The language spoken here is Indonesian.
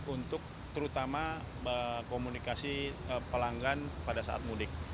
untuk terutama komunikasi pelanggan pada saat mudik